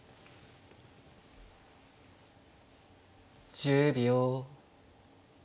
１０秒。